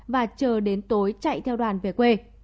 và chờ đến tối chạy theo đoàn về quê